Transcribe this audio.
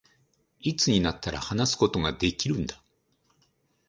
いつになったら、話すことができるんだ